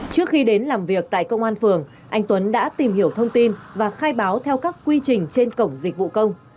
trước khi đến làm việc tại công an phường anh tuấn đã tìm hiểu thông tin và khai báo theo các quy trình trên cổng dịch vụ công